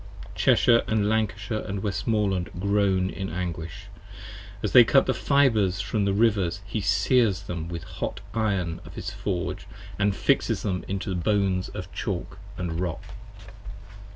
Cheshire & Lancashire & Westmoreland groan in anguish. As they cut the fibres from the Rivers he sears them with hot 20 Iron of his Forge, & fixes them into Bones of chalk & Rock.